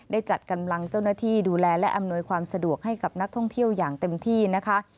ได้จัดกำลังเจ้าหน้าที่ดูแลและอำนวยความสะดวกให้กับนักท่องเที่ยวอย่างเต็มที่นะคะ